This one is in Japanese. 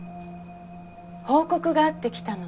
報告があって来たの。